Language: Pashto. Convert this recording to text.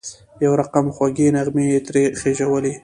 یو رقم خوږې نغمې یې ترې خېژولې.